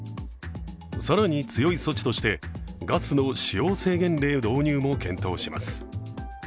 更に強い措置としてガスの使用制限令導入も検討します。